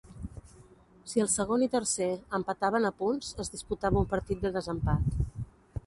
Si el segon i tercer empataven a punts es disputava un partit de desempat.